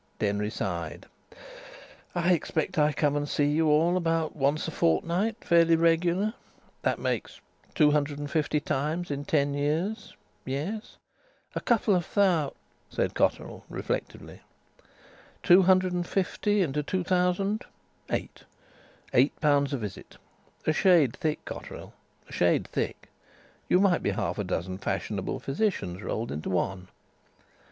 Denry sighed: "I expect I come and see you all about once a fortnight fairly regular. That makes two hundred and fifty times in ten years. Yes...." "A couple of thou'," said Cotterill, reflectively. "Two hundred and fifty into two thousand eight. Eight pounds a visit. A shade thick, Cotterill, a shade thick. You might be half a dozen fashionable physicians rolled into one."